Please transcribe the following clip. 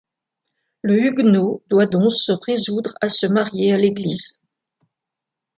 Le huguenot doit donc se résoudre à se marier à l'église.